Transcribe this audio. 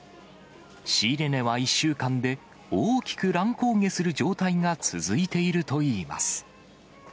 仕入れ値は１週間で大きく乱高下する状態が続いているといいます。